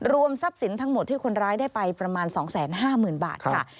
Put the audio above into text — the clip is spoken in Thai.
ทรัพย์สินทั้งหมดที่คนร้ายได้ไปประมาณ๒๕๐๐๐บาทค่ะ